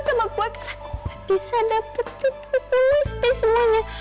karena gue gak bisa dapetin kecemasan semuanya